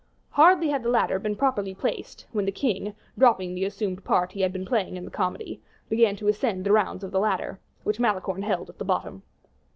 Hardly had the ladder been properly placed, when the king, dropping the assumed part he had been playing in the comedy, began to ascend the rounds of the ladder, which Malicorne held at the bottom.